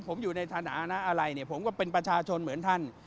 ผมอยู่ในฐานะอะไรเนี่ยผมก็เป็นประชาชนเหมือนท่าน